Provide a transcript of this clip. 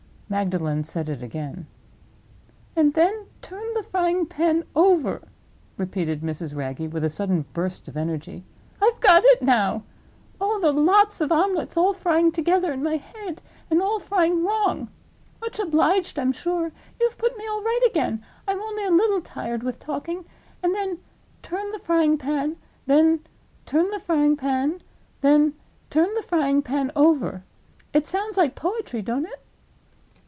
Magdalen said it again. "And then turn the frying pan over," repeated Mrs. Wragge, with a sudden burst of energy. "I've got it now! Oh, the lots of omelettes all frying together in my head; and all frying wrong! Much obliged, I'm sure. You've put me all right again: I'm only a little tired with talking. And then turn the frying pan, then turn the frying pan, then turn the frying pan over. It sounds like poetry, don't it?"